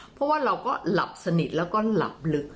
เพราะว่าเราก็หลับสนิทแล้วก็หลับลึก